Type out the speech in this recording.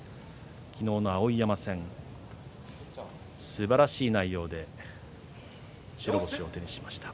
昨日の碧山戦すばらしい内容で白星を手にしました。